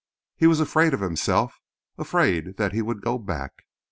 He was afraid of himself afraid that he would go back.